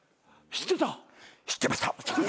知ってました。